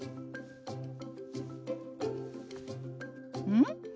うん？